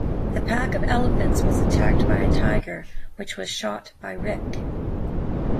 The pack of elephants was attacked by a tiger, which was shot by Rik.